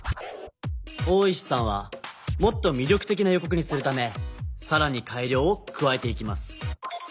大石さんはもっと魅力的な予告にするためさらにかいりょうをくわえていきます。